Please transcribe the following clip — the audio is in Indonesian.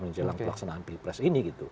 menjelang pelaksanaan pilpres ini